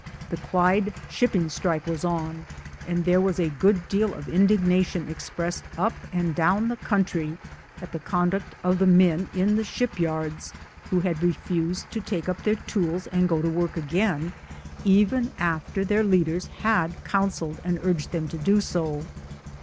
The Clyde shipping strike was on, and there was a good deal of indignation expressed up and down the country at the conduct of the men in the ship yards, who had refused to take up their tools and go to work again, even after their leaders had coun selled and urged them to do so.